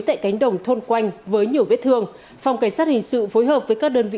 tại cánh đồng thôn quanh với nhiều vết thương phòng cảnh sát hình sự phối hợp với các đơn vị